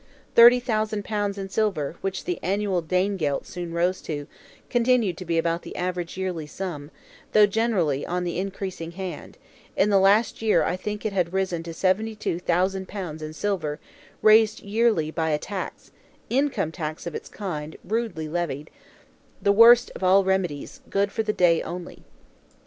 Thirty thousand pounds in silver, which the annual Danegelt soon rose to, continued to be about the average yearly sum, though generally on the increasing hand; in the last year I think it had risen to seventy two thousand pounds in silver, raised yearly by a tax (Income tax of its kind, rudely levied), the worst of all remedies, good for the day only.